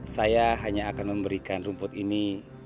saya hanya akan memberikan rumput ini